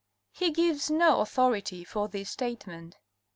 He gives no authority for this statement.